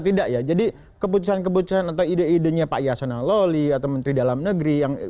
tidak ya jadi keputusan keputusan atau ide idenya pak yasona loli atau menteri dalam negeri yang